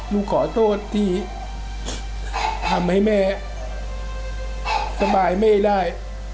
ลูกขอโทษที่ทำให้แม่สบายแม่ได้